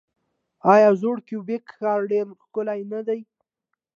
آیا زوړ کیوبیک ښار ډیر ښکلی نه دی؟